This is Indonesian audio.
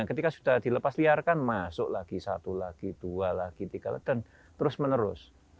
ketika sudah dilepas liarkan masuk lagi satu lagi dua lagi tiga lagi dan terus menerus